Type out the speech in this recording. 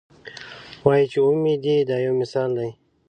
وایي چې اومې دي دا یو مثال دی.